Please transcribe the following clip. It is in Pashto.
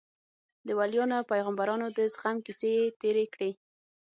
د وليانو او پيغمبرانو د زغم کيسې يې تېرې کړې.